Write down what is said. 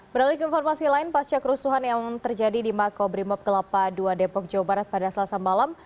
beralik informasi lain pasca kerusuhan yang terjadi di makobrimob kelapa dua depok jawa barat pada selasa malam